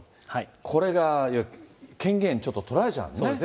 これが権限、ちょっと取られちゃうんですね。